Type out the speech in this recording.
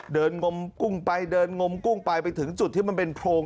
เดินงมกุ้งไปไปถึงจุดที่มันเป็นโพรง